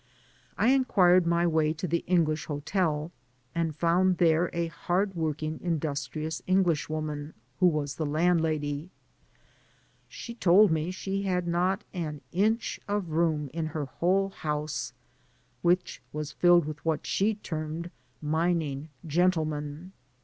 I inquired my way to the English hotel, and found there a hard working, industrious Englishwoman, who was the landlady. She told me she had not " an inch^ of room in her whole house, which was filled with what she termed " mining gentlemen."